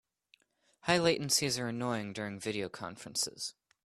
High latencies are annoying during video conferences.